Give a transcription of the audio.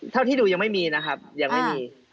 เท่าที่ดูยังไม่มีนะครับยังไม่มี